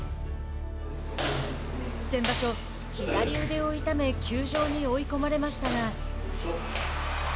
先場所、左腕を痛め休場に追い込まれましたが。